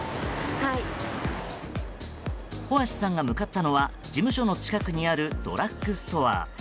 帆足さんが向かったのは事務所の近くにあるドラッグストア。